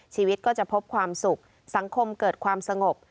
ชีวิตก็จะพบความสุขสังคมเกิดความสงบ